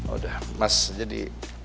udah mas jadi